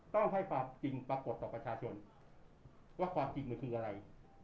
ต้องให้ความจริงปรากฏต่อประชาชนว่าความจริงมันคืออะไร